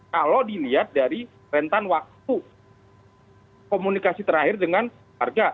kalau dilihat dari rentan waktu komunikasi terakhir dengan harga